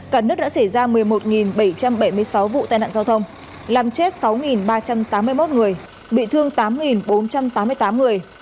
cả nước đã xảy ra một mươi một bảy trăm bảy mươi sáu vụ tai nạn giao thông làm chết sáu ba trăm tám mươi một người bị thương tám bốn trăm tám mươi tám người